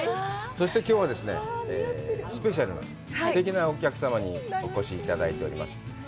そしてきょうはですね、スペシャルなすてきなお客様にお越しいただいております。